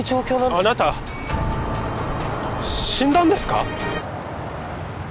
あなた死んだんですか？